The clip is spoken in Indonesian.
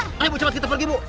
ayo bu cepet kita pergi bu